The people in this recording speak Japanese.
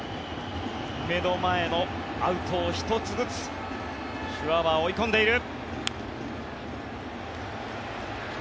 目の前のアウトを１つずつシュワバー、追い込んでいる。